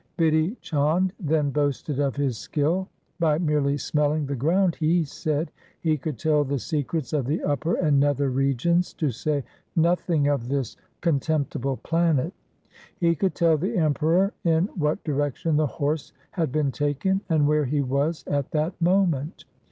Bidhi Chand then boasted of his skill. By merely smelling the ground, he said, he could tell the secrets of the upper and nether regions, to say nothing of this con temptible planet. He could tell the Emperor in what direction the horse had been taken and where he was at that moment.